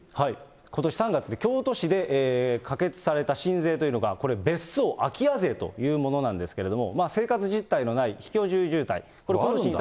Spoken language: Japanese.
ことし３月に京都市で可決された新税というのが、これ、別荘・空き家税というものなんですけれども、生活実態のない非居住住宅。